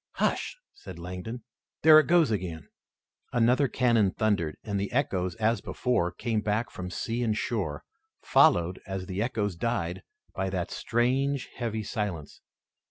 "Hush!" said Langdon, "there it goes again!" Another cannon thundered, and the echoes, as before, came back from sea and shore, followed, as the echoes died, by that strange, heavy silence.